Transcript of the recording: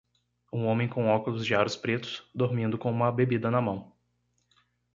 um homem com óculos de aros pretos, dormindo com uma bebida na mão